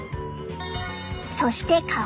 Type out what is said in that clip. そして顔。